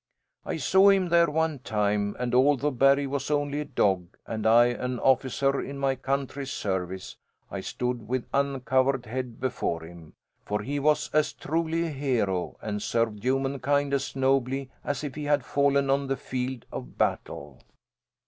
I saw him there one time, and although Barry was only a dog, and I an officer in my country's service, I stood with uncovered head before him. For he was as truly a hero and served human kind as nobly as if he had fallen on the field of battle.